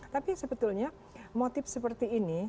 tapi sebetulnya motif seperti ini